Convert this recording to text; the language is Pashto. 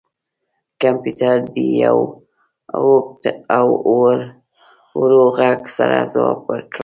کمپیوټر د یو اوږد او ورو غږ سره ځواب ورکړ